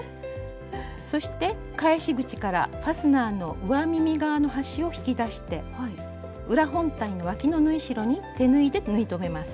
そして返し口からファスナーの上耳側の端を引き出して裏本体のわきの縫い代に手縫いで縫い留めます。